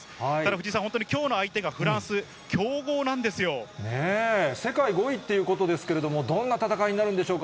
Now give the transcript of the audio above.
藤井さん、きょうの相手がフラン世界５位っていうことですけれども、どんな戦いになるんでしょうか。